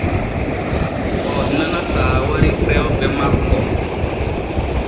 O nana saawari rewɓe makko.